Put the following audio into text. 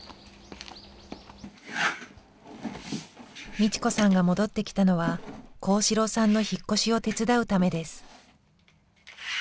美智子さんが戻ってきたのは甲子郎さんの引っ越しを手伝うためです。